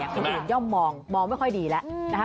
คนเลยยอมมองมองไม่ค่อยดีและ